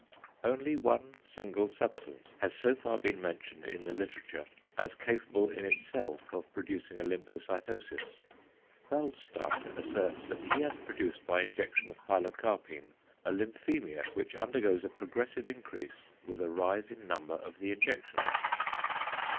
Only one single substance has so far been mentioned in the literature as capable in itself of producing a lymphocytosis. Waldstein asserts that he has produced by injection of pilocarpine, a lymphæmia which undergoes a progressive increase with a rise in number of the injections.